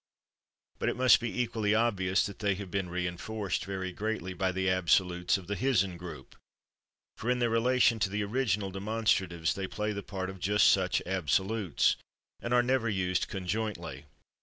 But it must be equally obvious that they have been reinforced very greatly by the absolutes of the /hisn/ group, for in their relation to the original demonstratives they play the part of just such absolutes and are never used conjointly.